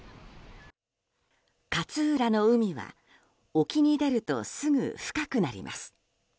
勝浦の海は沖に出ると、すぐ深くなります。